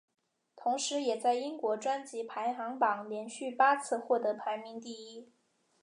同时也在英国专辑排行榜连续八次获得排名第一。